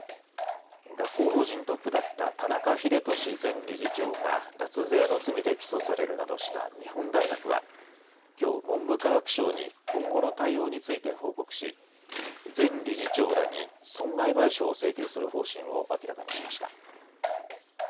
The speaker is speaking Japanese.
学校法人トップだった田中秀壽前理事長が脱税の罪で起訴されるなどした日本大学はきょう、文部科学省に今後の対応について報告し前理事長らに損害賠償を請求する方針を明らかにしました。